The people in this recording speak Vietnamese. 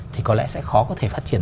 thì có lẽ sẽ khó có thể phát triển